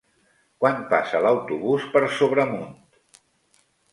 Quan passa l'autobús per Sobremunt?